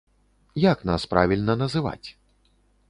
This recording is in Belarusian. Як нас правільна называць?